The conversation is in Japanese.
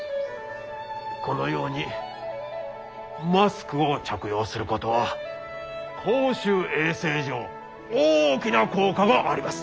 このようにマスクを着用することは公衆衛生上大きな効果があります。